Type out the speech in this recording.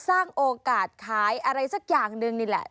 สร้างโอกาสขายอะไรสักอย่างหนึ่งนี่แหละ